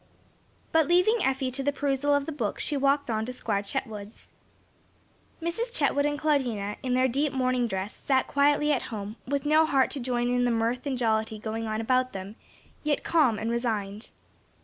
But leaving Effie to the perusal of the book, she walked on to Squire Chetwood's. Mrs. Chetwood and Claudina, in their deep mourning dress, sat quietly at home, with no heart to join in the mirth and jollity going on about them; yet calm and resigned.